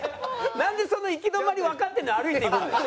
なんでそんな行き止まりわかってるのに歩いていくのよ？